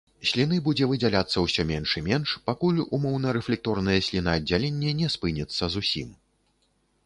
Сліны будзе выдзяляцца ўсё менш і менш, пакуль умоўнарэфлекторнае слінааддзяленне не спыніцца зусім.